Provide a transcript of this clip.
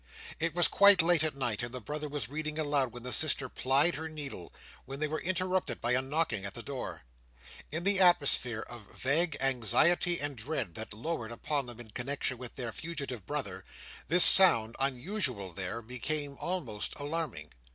It was quite late at night, and the brother was reading aloud while the sister plied her needle, when they were interrupted by a knocking at the door. In the atmosphere of vague anxiety and dread that lowered about them in connexion with their fugitive brother, this sound, unusual there, became almost alarming.